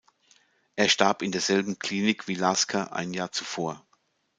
Er starb in derselben Klinik wie Lasker ein Jahr zuvor.